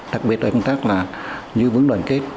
đặc biệt là công tác là giữ vững đoàn kết